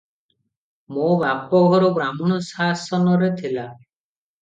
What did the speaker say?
ମୋ ବାପଘର ବ୍ରାହ୍ମଣ ଶାସନରେ ଥିଲା ।